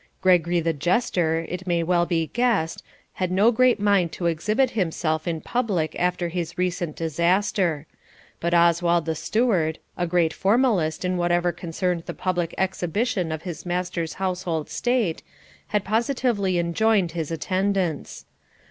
Gregory the jester, it may well be guessed, had no great mind to exhibit himself in public after his recent disaster; but Oswald the steward, a great formalist in whatever concerned the public exhibition of his master's household state, had positively enjoined his attendance.